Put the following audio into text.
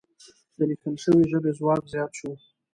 د لیکل شوې ژبې ځواک زیات شو.